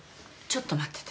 ちょっと待ってて。